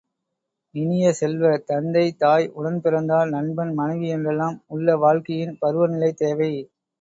இனிய செல்வ, தந்தை, தாய், உடன்பிறந்தார், நண்பன், மனைவி என்றெல்லாம் உள்ள வாழ்க்கையின் பருவநிலை தேவை.